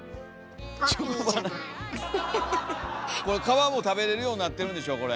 これ皮も食べれるようなってるんでしょ？